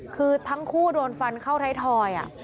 คือทั้งคู่โดนฟันเข้าไทยทอย